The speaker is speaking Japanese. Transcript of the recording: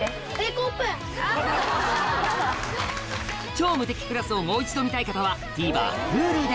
『超無敵クラス』をもう一度見たい方はＴＶｅｒＨｕｌｕで